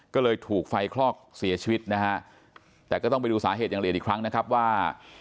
ก็เลยถูกไฟคลอกเสียชีวิตนะฮะแต่ก็ต้องไปดูสาเหตุอย่างละเอียดอีกครั้งนะครับว่า